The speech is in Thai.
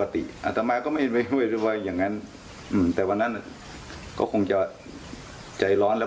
อัตตามากก็ยอมรับว่าอัตตามากก็จะใช้แบบ